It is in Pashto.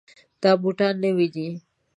دا بوټان نوي دي.